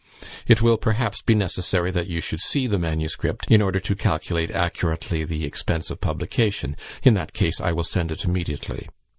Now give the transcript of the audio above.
It will, perhaps, be necessary that you should see the manuscript, in order to calculate accurately the expense of publication; in that case I will send it immediately.